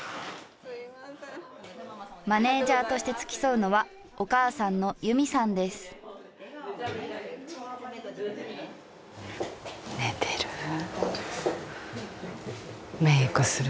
マネジャーとして付き添うのはお母さんの由美さんです。